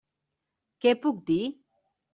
Què puc dir?